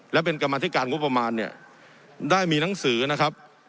และเป็นกรรมธิการงบประมาณเนี่ยได้มีหนังสือนะครับ